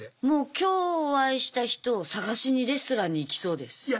もう今日お会いした人を捜しにレストランに行きそうです。